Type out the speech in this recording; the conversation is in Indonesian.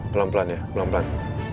pelan pelan ya pelan pelan